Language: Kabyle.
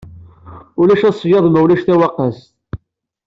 Ulac aseyyaḍ ma ulac tawaqqast.